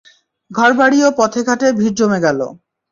বাড়িঘর ও পথে-ঘাটে ভিড় জমে গেল।